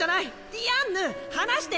ディアンヌ放して！